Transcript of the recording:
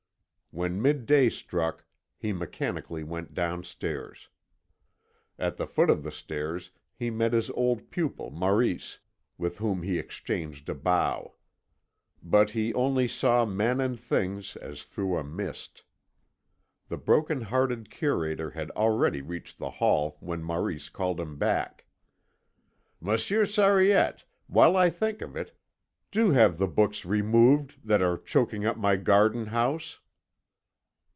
When midday struck he mechanically went downstairs. At the foot of the stairs he met his old pupil Maurice, with whom he exchanged a bow. But he only saw men and things as through a mist. The broken hearted curator had already reached the hall when Maurice called him back. "Monsieur Sariette, while I think of it, do have the books removed that are choking up my garden house."